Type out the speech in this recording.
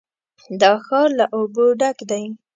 دا ښار له اوبو ډک دی.